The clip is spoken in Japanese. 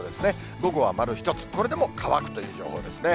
午後は丸１つ、これでも乾くという情報ね。